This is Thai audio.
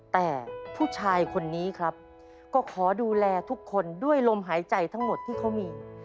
แต่ผู้ชายคนนี้ครับก็ขอดูแลทุกคนด้วยลมหายใจทั้งหมดที่เขามี